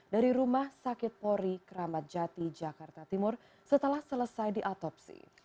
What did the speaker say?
dari rumah sakit pori keramat jati jakarta timur setelah selesai diatopsi